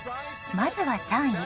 まずは３位。